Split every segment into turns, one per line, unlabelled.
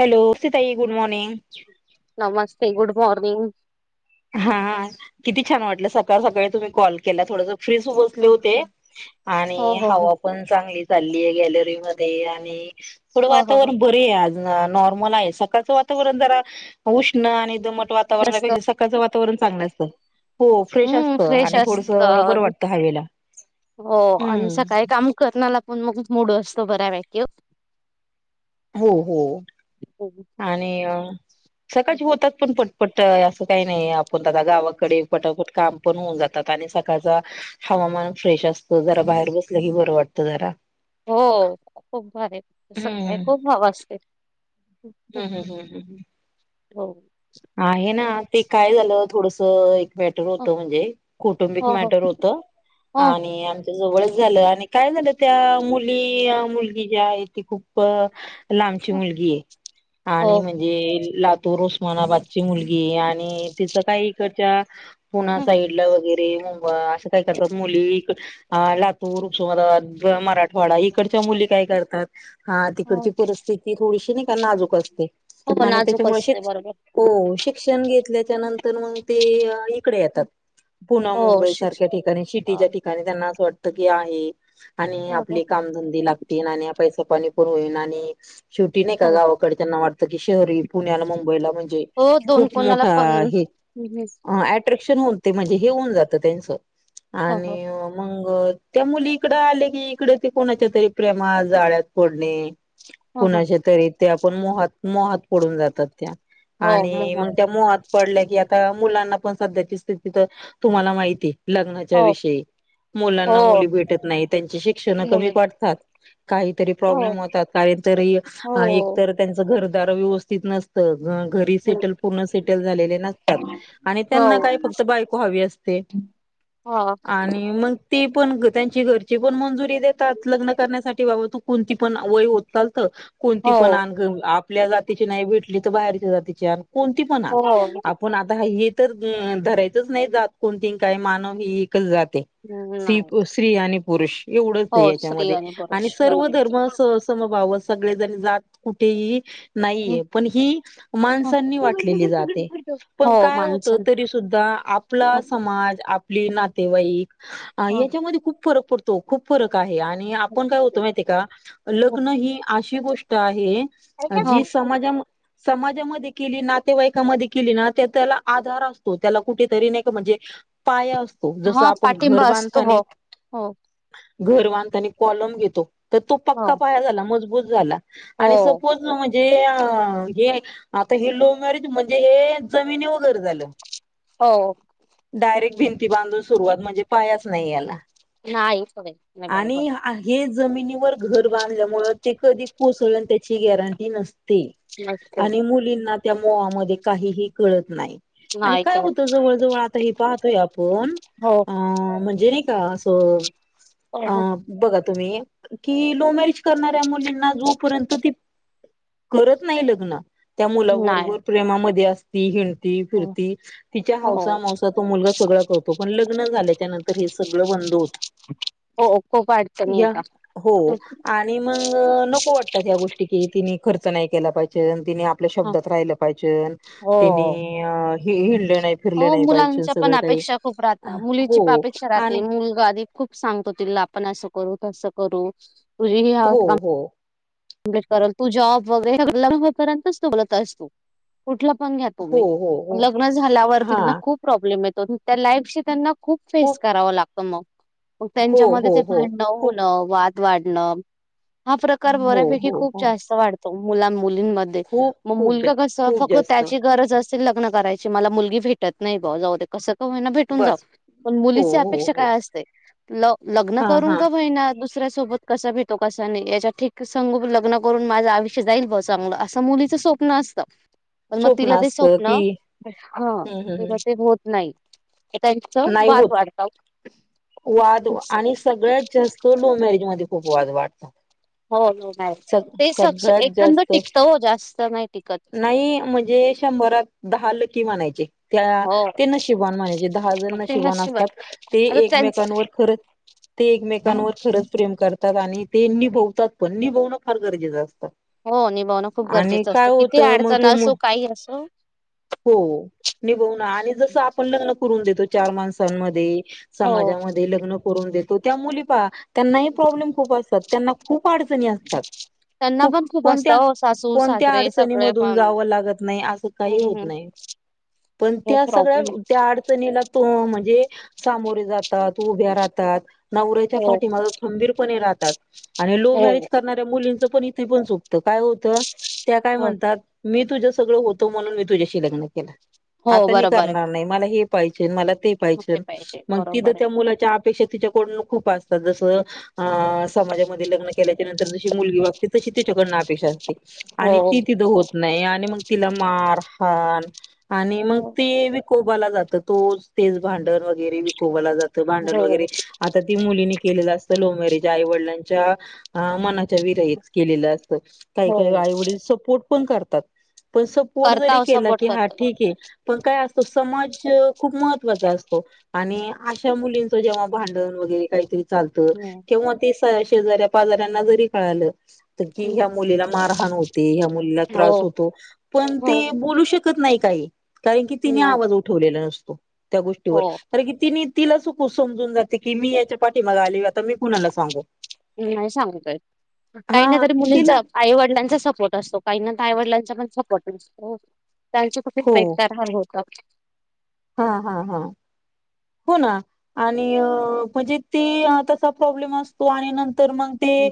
Hello सीताई, good morning.
नमस्ते good morning.
हा किती छान वाटलं, सकाळ सकाळी तुम्ही कॉल केला थोडसं फ्रिच बसले होते
हो
आणि
हो हो
हवापण चांगली चाललीय गॅलरीमध्ये आणि थोडं
हो हो हो
वातावरण बरे आहे आज. नॉर्मल आहे. सकाळचं वातावरण जरा उष्ण आणि दमट वातावरण आहे ते
मस्त
जसं वातावरण चांगलं असतं. हो फ्रेश
हम्म
असतं
फ्रेश
आणि थोडस
असत.
बरं वाटत हवेला.
हो आणि
हम्मं.
सकाळी काम करण्याला पण मग मूड असतो बऱ्यापैकी-
हो हो. आणि अ सकाळची होतात पण पटपट असं काही नाही आहे. आपण आता गावाकडे पटापट काम पण होऊन जातात आणि सकाळच हवामान फ्रेश असतं जरा बाहेर बसलं ह बरं वाटत जरा-
हो खूप भारी तस काय
हम्म
खूप हव असते.
हम्म हम्म हम्म
[unintelligible]
आहे ना ते काय झालं थोडसं एक मॅटर
हो
होत म्हणजे कौटुंबिक
हो हो
मॅटर होत
हो
आणि आमच्या जवळच झालं आणि काय झालं त्या मुल आपली मुलगी जी आहे ती खूप लांबची मुलगी आहे आणि
हो
म्हणजे लातूररूस मला बादची मुलगी आणि तिच काय इक- त्या पुणा साईड ला वगैरे. ते मुंबई. आता काय करतात मुली आ लातूर उस्मानाबाद, मराठवाडा इकडच्या मुली काय करतात? हा तिकडची परिस्थिती थोडीशी नाही का नाजूक अस
हो पण नाजूक असते बरोबर
हो शिक्षण घेतल्याच्या नंतर मग ते इ कडे येतात. पुणा-
हो
मुंबई
शिक्ष
सारख्या ठिकाणी सिटीच्या ठिकाणी त्यांना असं वाटतं तकी आहे. आणि
बरोबर
आपली कामधंदी लागतील आणि पैसा कमी पण होईल आणि शेवटी नाही का
हो
गावाकडच्यांना वाटतं की शहरी पुण्याला मुंबईला म्हण
हो दोन कोणाला पण
क्शन होत म्हणजे हे होऊन जातं त्यांच
हो हो
आणि मग मग त्या मुली इकड आले की इकडे ते कोणाच्या तरी प्रेमात जाळ्यात पडणे
हो हो
कुणाच्या तरी त्या पण मोहात मोहात पडून जातात त्या
हो
आणि मग त्या मोहात पडल्या की आता मुलांना पण सध्याची स्थिती तर तुम्हाला माहिती आहे लग्नाच्या
हो
विषयी मुलांना
हो
मुली भेटत नाही, त्यांची शिक्षण कमी
मुली
पडतात काहीतरी
हो
प्रॉब्लेम होतात काही तरी
हो
एकतर त्यांच घर -दार व्यवस्थित नसत. घरी सेटल पूर्ण सेटल झालेले नसतात आणि त्यांना
हो
काही फक्त बायको हवी असते
हा
आणि मग ते पण त्यांची घरची पण मंजुरी देतात लग्न करण्यासाठी बाबा तू कोणती पण वय होत चालत कोणती
हो
पण आणि घ आप... ल्या जातीची नाही भेटली तर बाहेरची जात.. तीची आण कोणती पण आणि
हो
आपण आता हे तर धरायचंच नाही जात कोणती आणि काय, मानव ही एकच जात स्त्री
नाही
स्त्री आणि पुरुष एवढंच
हो
आहे
स्त्री
याच्यामध्ये आणि
पुरुष
सर्व धर्म
बरोबर
सह समभाव सगळे जरी जात कुठेही नाहीये पण ही माणसांनी वाटलेली जाता आहे. पण
हो
काय होत
माणसन
तरी सुद्धा आपला समाज आपली नातेवाईक याच्यामध्ये खूप फरक पडतो खूप फरक आहे आणि आपण काय होत माहिती आहे का लग्न ही अशी ही गोष्ट आहे. अ जी समाजाम समाजामध्ये केली नातेवाईकामध्ये केली ना तर त्याला आधार असतो त्याला कुठेतरी नाही का म्हणजे पाया असतो जस
हा
आपण
पाठिंबा
घर
असतो हो
बांधताने
हो
घर बांधतानी कॉलम घेतो. तर तो
हो
पक्का पाया झाला मजबूत. झाला
हो
आणि सपोज ज ह हे आता हे लो मॅरेज म्हणजे हे जमिनी वगैरे झाले.
हो..
डायरेक्ट भिंती बांधून सुरुवात म्हणजे पायाच नाही याला.
नाही सवय बरोबर.
आणि हा- हे जमिनीवर घर बांधल्यामुळ ते कधी कोसळन त्याची गॅरंटी नसते.
चार्ट.
आणि मुलींना त्या मोहामध्ये काहीही कळत नाही. आणि
नाही
काय
करत
होत, जवळ जवळ आता हे पाहतोय आपण
हो
अ म्हणजे नाही का होय. अ
हो
बघा तुम्ही, कि लव्ह मॅरेज करणाऱ्या मुलींना जोपर्यंत ती करत नाही लग्न त्या
नाही
मुलाबरोबर प्रेमामध्ये अस [unintelligible]
हो
फिरती तिच्या
हो
हौसामवसा तो मुलगा सगळ करतो पण लग्न झाल्यांच्यानंतर, तर हे सगळं बंद होत.
खूप अडचणी
या
येतात
हो आणि मग नको वाटतात, या गोष्टी कि तिने खर्च चं नाही केला पाहिजेन. तिने आपल्या शब्दात राहिलं पाहिजेन तिने
हो
अ.. हे हीलडॅन.
हो मुलांच्या पण अपेक्षा खूप
अ,
राहता. मुलीची पण
हो
अपेक्षा
आणि
राहते मुलगा आधी खूप सांगतो तिला आपण असं करू. तसं करू?
हो
[unintelligible]
हो
[unintelligible] तू जॉब वैगरे लग्न करत असे परेनच बोलत आहेस तू. कून घ्या
हो
तुम्ही.
हो हो
लग्न झाल्यावरती
हा
ना खूप प्रॉब्लेम येतों. त्या लाईफशी त्यांना.. खूप फेस कराव लागत मग, मग
हो
त्यांच्या मध्ये
हो
ते
हो
भांडण
खूप
होणं वाद, वाढणं.. हा प्रकार ब
हो
ही
हो
खूप
हो
जास्त वाढत. तो मुलांना, मुलींनं मध्ये.
खूप
म
खूप जा
मुलगा कसा
खूप
फक्त
जास्त
त्याची गरज असते. चं लग्न करायचे आहे. मला मुलगी भेटत नाही बुआ. जावंदे कसं, हो म्हन भेटून जाऊ.
बस
पन
हो
मुलीची
हो
अपेक्षा
हो
काय असते, ल लग्न
हा
करून
हा
कां होईना दुस ऱ्या सोबत कसा भेटो कसा नाह याचा ठेकस संग बी लग्न करून माझं आयुष्य जाईल बुआ चांगल असं मुलीचं स्वप्न असत. पण मग
स्वप्न
तिला ते
असत
स्वप्न
की
हा
हम्
तिला
हम्
ते होत नाही. त्यांचं
नाही
वाद
होत.
वाढतात
वाद आणि सगळ्यात जास्त लव्ह मॅरेजमध्ये खूप वाद वाढतात.
हो हो नाही
सग
ते स
सगळ्यात
एखांद
जास्त
टिकतं हो जास्त नाय टिकतं
की म्हणायची त्या ते नशीबवान म्हणायचेत. दहा जण
मग ते
नशीबवान असतात.
नशिबात
ते
आता त्यांच
एकमेकांवर खरंच, ते एकमेकांवर खरंच प्रेम करतात. आणि ते निभव तात पण निभवण फार गरजेचं अस
हो निभवणं खूप गरजेचं असत. किती
होतं मग
अडचण
तो
असो, काही असो
हो कोन देतो चार माणसांमध्ये
हो
समाजामध्ये लग्न करून देत तो त्या मुली पाहा त्यांनाही प्रॉब्लेम खूप अस तत. त्यांना खूप खूप अडचणी असतात.
त्यांना
खूप
पण
कोणत्या
असतं हो सासू
कोणत्या
सासरे सगळे
अडचणीमधून
पण
जावं लागत नाही असं काही होत
हम्म
नाही. पण
खूप
त्या सगळ्या,
प्रॉब्लेम
त्या अड नेला तो मन [unintelligible] जे सामोरे जातात उभ्या राहतात. नवऱ्याच्या
हो
पाठी माग खंबीरपणे रात तात आणि लव्ह
हो
मॅरेज करणाऱ्या मुलींचं पण इथे पण चूक त काय होतं त्या काय
हो
म्हणतात मी तुझ्या सो सगळं होत म्हणून मी तुझ्याशी लग्न केल.
हो
आता मी
बरोबर आहे
करणार नाय मला हे पहिजे मला ते
मग
पाहिजेल
पाहिजे
मंग तिथ
बरोबर आहे
त्या मुलाच्या अपेक्षा तिच्याकडून खूप अस जसं अ समाजामध्ये लग्न केल्याच्या नंतर जशी मुलगी वागते तशी त्याच्याकडनं अपेक्षा अस आणि
हो
ती तिद होत नाही आणि मंग तिला मार हान आणि मंग
हो
ती बी खूप बला जात तो तेज भांडण वर [unintelligible] भांडण वगैरे आता ती मुलींनी केलेलं असतं लव्ह मरेज आईवडलांच्या मना च्या विरहित केलेलं असत काही
हो
काही आई वडील सग पण करतात. पण सपोर्ट
करता
जरी
हो
केला
सपोर्ट
की हा
करतो
ठीक आहे. पण काय अस तो समाज हो. खूप महत्त्वाचा असतो. आणि अशा मुलीं जेव्हा भांडण वगैरे काही तरी चालतं
हम्म.
तेव्हा ते [unintelligible] शेजऱ्या पाजाऱ्यांना जरी कळालं. की ह्या मुलीला मारहाण होते. ह्या मुलीला
हो
त्रास होतो. पण
हो
ते बोलू शकत नाही. काही कारण की तिने
नाही
आवजत केला नसतो. त्या
हो
गोष्टीवर कार की ति तिला सुकू समजून जाते. की मी याच्या पाठी माग आली आता मी कुणाला सांगो.
नाही सांगतोय
हा
काही ना तरी
तिला
मुलींचा आईवडिलांचा सपोर्ट असतो काही ना आईवडिलांचा पण सपोर्ट नसतो. त्यांच्या कसच
हो
बेटकारार होत. [inaudible] [inaudible]
हा हा हा हो ना आणि म्हणजे ते तसा प्रॉब्लेम असतो. आणि तर मग ते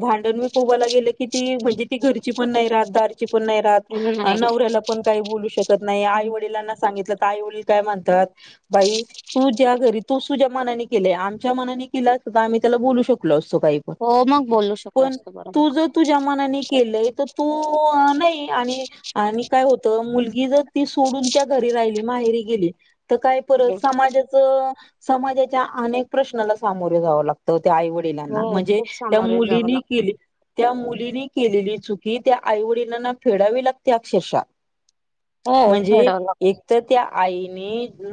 भांडण म कोला गेलं. की ती म्हणजे ती घरची पण नाही. रहदार पण नाही राह
नाही
नवऱ्याला पण काही बोलू शकत नाही. आई वडिलांना सांगितलं तर आई वडील काय म्हणतात. बाई तू ज्या घरी तू तूझ्या मनानी के आमच्या मनाने केला आम्ही त्या बोलू शकलो. तू जर
हो मग बोलू शकलो
पण
असतो
तू
बरोबर.
जे तुझ्या मनाने केलंय. तर तू नाही आणि आणि काय होत मुलगी जर ती सोडून त्या घरी राहिली माहेरी गेली. तर काय परत. समाजाच्या अनेक प्रश्नाला सामोरे जावं लागत. त्या आई
हो
वडिलांना म्हणजे
खूप
त्या
सामोरे जावं
मुलीनी
लागतं.
केली त्या मुलीनी केलेली चुकी त्या आईवडिलांना फेडावी लागते अक्षरशः
हो
म्हणजे
फेडावं
एक तर त्या आई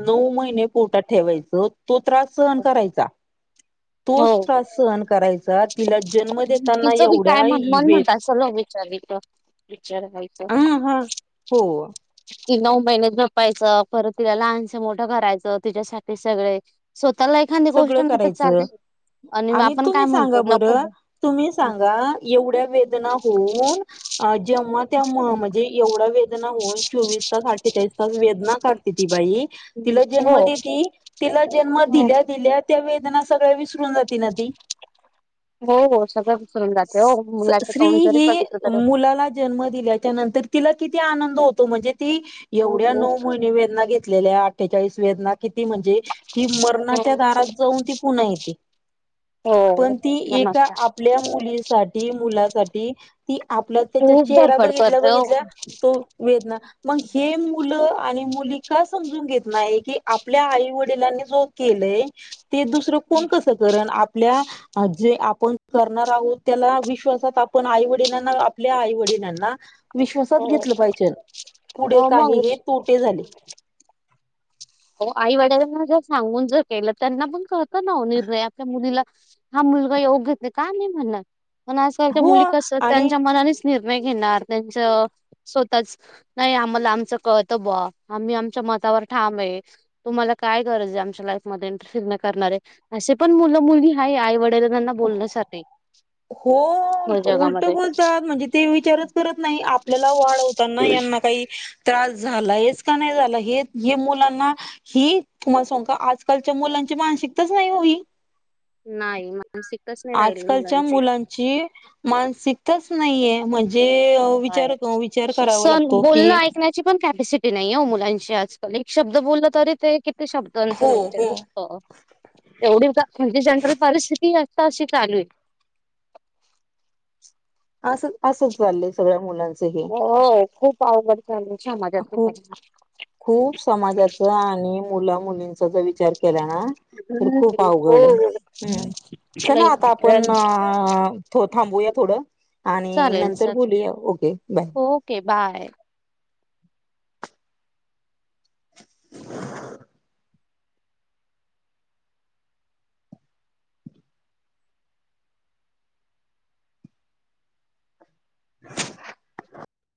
नऊ महिने पोटात ठेवायचं तो त्रास सहन
लागतं.
करायचा
हो
तोच त्रास सहन करायचा तिला जन्म देताना
तिचं बी काय म्हण मन
एवढ्यावेत
म्हणतात चल विचारलं. विचारायचं
ह हा हो
ती नऊ महिने जपायच परत तिला लहानसं मोठं करायचं तिच्यासाठी सगळे स्व
सगळं करायचं
मग
आणि
आपण काय
तुम्ही सांगा
म्हणतो नको ब
बरं तुम्ही
हो
सांगा एवढ्या वेदना होऊन जेव्हा त्या म्हणजे एवढं वे होन चोवीस त तेच्यात वेदना करत ती बाई तिला जन्म देती जन्म
हो
देती त्या वेदना सगळ्या विसरून जात
हो हो, सगळं विसरून जाते हो मुलाचं तोंड जरी
स्त्रीही
बघितलं तरी
मुलाला जन्म दिल्याच्या नंतर तिला किती आनंद होतो म्हणजे ती
हो
एवढ्या
हो
नऊ महिने वेदना घेतलेल्या ठचाळीस वेदना किती म्हणजे त म च्या दारात जाऊन ती पुन्हा येते
हो हो,
पण ती एका
मनात
आपल्या मुलीसाठी मुलासाठी ती आपला त्याच्या
खूप
चेहरा
धडपड
बघितल्या
करते हो.
बघितल्या तो वेदना मग हे मुलं आणि मुली का समजून घेत नाही की आपल्या आई वडिलांनी जो केलेय, ते दुसरं कोण कसं करण? आपल्या आज जे आपण करणार आहोत त्याला विश्वासात आपण आई वडिलांना आपल्या आई वडिलांना विश्वासात
हो
घेतलं पाहिजेल पुढे
हो मग
काहीही तोटे झाले
हो आई वडिलांना जर सांगून जर केलं, त्यांना पण कळत ना ओ निर्णय आपल्या मुलीला हा मुलगा योग्य ये त का नाही म्हणनार? पण आजकालच्या
हो
मुली कस
आणि
त्यांच्या मनानेच निर्णय घेणार त्यांच स्वतःच नाही आम्हाला आमचं कळतं बुवा आम्ही आमच्या मतावर ठाम आहे. तुम्हाला काय गरज आहे आमच्या लाईफ मधी इंटरफीयर करणारे असे पण मुलं मुली आहे आईवडील
हो
या
उलट
जगामध्ये.
बोलतात म्हणजे ते विचारच करत नाही आपल्याला वाढवतना यांना काही त्रास झाला आहेच का नाही झाला हे हे मुलांना हि तुम्हाला सांगू का आजकालच्या मुलांची मानसिकताच नाही ओ ही.
नाही ना
आजकालच्या मुलांची माणस [unintelligible] नाहीये म्हंजे जे अ
नाही
विचार क विचार करावा लागतो की
स्तिथी नाहीओ मुलांची आजकाल एक शब्द बोललं तरी ते कि शब्दांचं
हो
लेक्चर
हो
होतं अ एवढी का म्हंजे जनरल परिस्थिती आ तशी चालूय.
आसं आसंच चाललंय सगळ्या मुलांच.
होय खूप आवघड
खूप खूप समाजाच आणि मुला मुलींचा जर विचार केला ना तर, खूप
हम्म. हो
अवघड आहे. हम्म चला आता आपण अ थो थांबूयात. थोडं. आणि
चालेल
नंतर
सर
बोलूया ओके बाय.
Okay bye.
[inaudible] [inaudible]